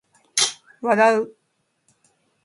笑う